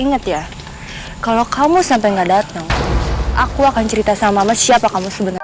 ingat ya kalau kamu sampai tidak tahu aku akan cerita dengan mames siapa kamu sebenarnya